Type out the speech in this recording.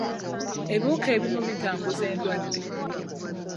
Ebiwuka ebimu bitambuza endwadde.